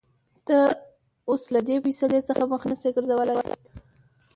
ته اوس له دې فېصلې څخه مخ نشې ګرځولى.